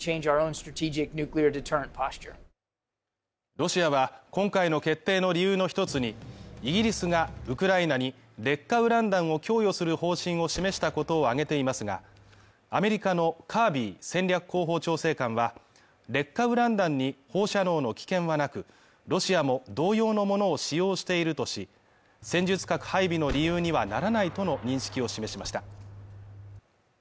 ロシアは今回の決定の理由の一つに、イギリスがウクライナに劣化ウラン弾を供与する方針を示したことを挙げていますが、アメリカのカービー戦略広報調整官は、劣化ウラン弾に、放射能の危険はなく、ロシアも同様のものを使用しているとし、戦術核配備の理由にはならないとの認識を示しました。